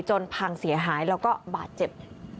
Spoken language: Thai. พังเสียหายแล้วก็บาดเจ็บ